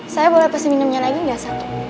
saya boleh pesen minumnya lagi gak sam